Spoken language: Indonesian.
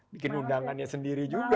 bikin undangannya sendiri juga